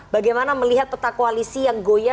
bagaimana melihat peta koalisi yang goya